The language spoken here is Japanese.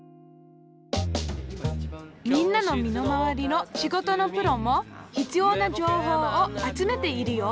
みんなの身の回りの仕事のプロも必要な情報を集めているよ。